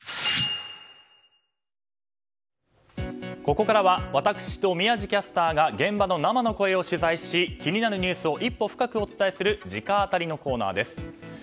ここからは私と宮司キャスターが現場の生の声を取材し気になるニュースを一歩深くお伝えする直アタリです。